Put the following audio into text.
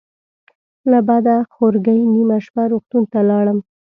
له بده خورګۍ نیمه شپه روغتون ته لاړم.